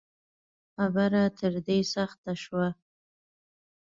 خبره تر دې سخته شوه